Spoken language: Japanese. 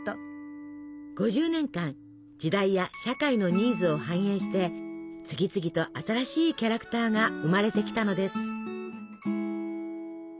５０年間時代や社会のニーズを反映して次々と新しいキャラクターが生まれてきたのです。